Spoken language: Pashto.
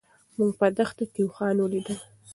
موږ په دښته کې اوښان ولیدل.